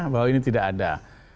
bahwa ini tidak ada